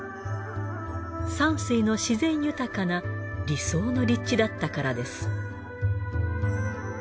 山水の自然豊かな理想の立地だったからです。